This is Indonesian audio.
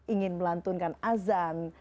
ingin melantunkan azan